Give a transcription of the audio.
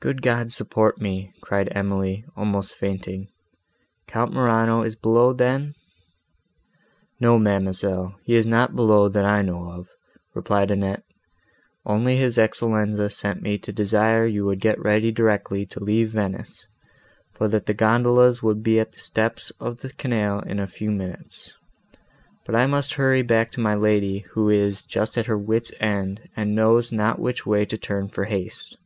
"Good God support me!" cried Emily, almost fainting, "Count Morano is below, then!" "No, ma'amselle, he is not below that I know of," replied Annette, "only his Excellenza sent me to desire you would get ready directly to leave Venice, for that the gondolas would be at the steps of the canal in a few minutes: but I must hurry back to my lady, who is just at her wits' end, and knows not which way to turn for haste."